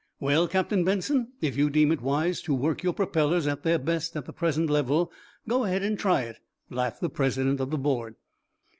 "Well, Captain Benson, if you deem it wise to work your propellers at their best at the present level, go ahead and try it," laughed the president of the board.